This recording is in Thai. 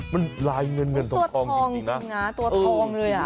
มันรายเงินเงินทองทองจริงน่ะ